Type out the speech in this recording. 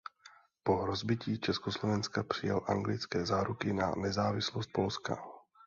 Po rozbití Československa přijal anglické záruky na nezávislost Polska.